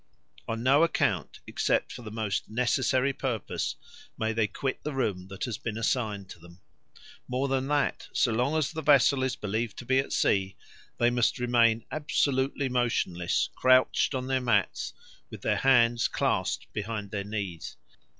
On no account, except for the most necessary purpose, may they quit the room that has been assigned to them. More than that, so long as the vessel is believed to be at sea they must remain absolutely motionless, crouched on their mats with their hands clasped between their knees.